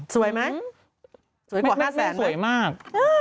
สวยไหมสวยกว่า๕แสนไหมแม่ขนาดนี้สวยมาก